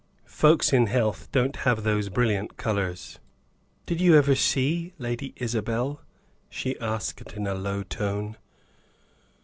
Folks in health don't have those brilliant colors." "Did you ever see Lady Isabel?" she asked, in a low tone.